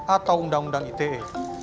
atau undang undang ite